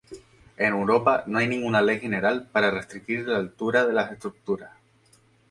En Europa no hay ninguna ley general para restringir la altura de las estructuras.